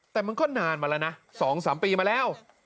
แต่มันก็นานมาแล้วนะ๒๓ปีมาแล้ว